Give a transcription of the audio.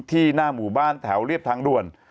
หน้าหมู่บ้านแถวเรียบทางด่วน